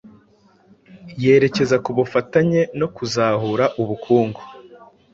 yerekeza ku bufatanye no kuzahura ubukungu.